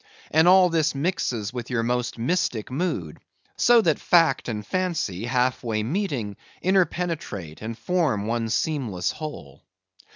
And all this mixes with your most mystic mood; so that fact and fancy, half way meeting, interpenetrate, and form one seamless whole.